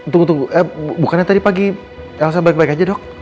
tunggu tunggu eh bukannya tadi pagi elsa balik balik aja dok